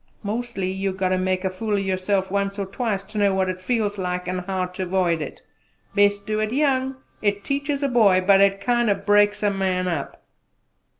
Mostly you got ter make a fool o' yourself once or twice ter know what it feels like an' how t' avoid it: best do it young it teaches a boy; but it kind o' breaks a man up!"